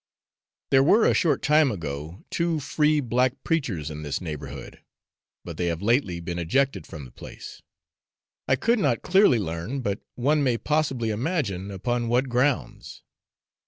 There were a short time ago two free black preachers in this neighbourhood, but they have lately been ejected from the place. I could not clearly learn, but one may possibly imagine, upon what grounds.